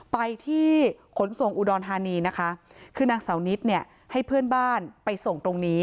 ไปที่ขนส่งอุดรธานีนะคะคือนางเสานิดเนี่ยให้เพื่อนบ้านไปส่งตรงนี้